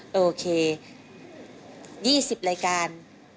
ก็โอเค๒๐รายการ